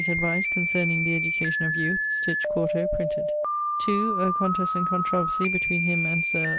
's Advice concerning the Education of Youth, sticht, 4to, printed. 2. [A contest and controversie between him and Sir